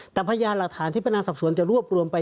แต่พยานหลักฐานที่พนักงานสอบสวนจะรวบรวมไป